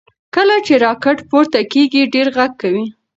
کله چې راکټ پورته کیږي ډېر غږ کوي.